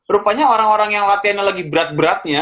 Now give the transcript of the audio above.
rupanya orang orang yang latihannya lagi berat beratnya